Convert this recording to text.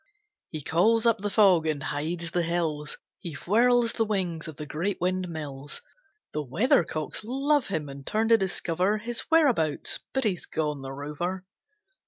He calls up the fog and hides the hills, He whirls the wings of the great windmills, The weathercocks love him and turn to discover His whereabouts but he's gone, the rover!